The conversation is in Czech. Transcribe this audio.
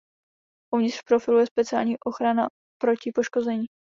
Uvnitř profilu je speciální ochrana proti poškození.